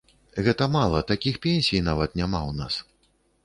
Гэта мала, такіх пенсій нават няма ў нас.